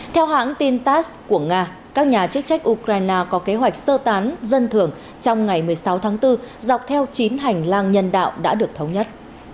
theo hãng tin tass của nga các nhà chức trách ukraine có kế hoạch sơ tán dân thưởng trong ngày một mươi sáu tháng bốn dọc theo chín hành lang nhân đạo đã được thống nhất